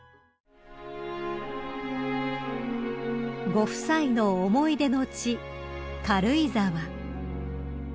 ［ご夫妻の思い出の地軽井沢］